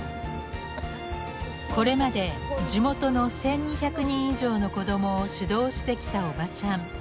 これまで地元の１，２００人以上の子供を指導してきたおばちゃん。